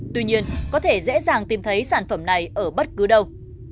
tuy nhiên có thể dễ dàng tìm thấy sản phẩm này ở bất cứ đâu